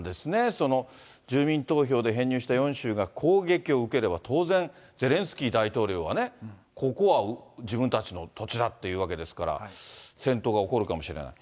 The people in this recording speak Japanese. その住民投票で編入した４州が攻撃を受ければ、当然、ゼレンスキー大統領はね、ここは自分たちの土地だっていうわけですから、戦闘が起こるかもしれない。